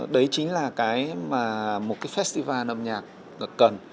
đấy chính là cái mà một cái festival âm nhạc cần